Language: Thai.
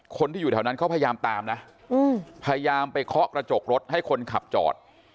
คนที่อยู่แถวนั้นเขาพยายามตามนะพยายามไปเคาะกระจกรถให้คนขับจอด